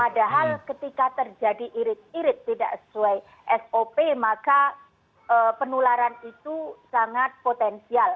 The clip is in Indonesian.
padahal ketika terjadi irit irit tidak sesuai sop maka penularan itu sangat potensial